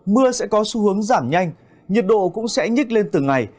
mưa sẽ có xu hướng giảm nhanh nhiệt độ cũng sẽ nhích lên từng ngày